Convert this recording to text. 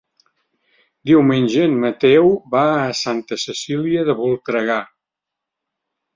Diumenge en Mateu va a Santa Cecília de Voltregà.